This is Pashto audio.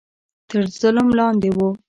تر ظلم لاندې وو